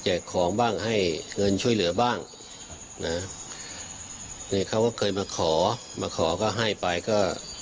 ของบ้างให้เงินช่วยเหลือบ้างนะเนี่ยเขาก็เคยมาขอมาขอก็ให้ไปก็